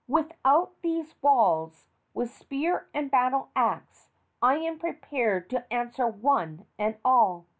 Without these walls, with spear and battle axe, I am prepared to answer one and all!"